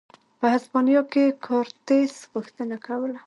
په هسپانیا کې کورتس غوښتنه کوله.